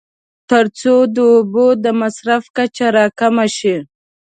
تر څو د اوبو د مصرف کچه راکمه شي.